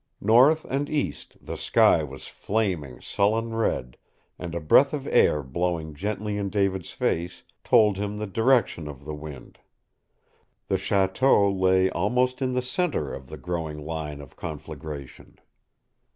North and east the sky was flaming sullen red, and a breath of air blowing gently in David's face told him the direction of the wind. The chateau lay almost in the center of the growing line of conflagration.